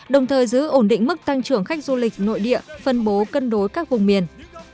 đồng thời giữ ổn định mức tăng trưởng khách du lịch nội địa phân bố cân đối các vùng miền